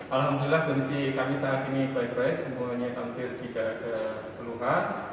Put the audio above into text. alhamdulillah kemisi kami saat ini baik baik semuanya hampir tidak kepeluhan